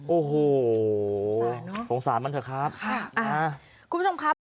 โอ้โหสงสารมันเถอะครับ